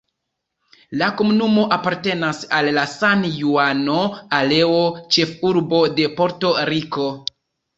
La komunumo apartenas al la San-Juano areo, ĉefurbo de Porto-Riko.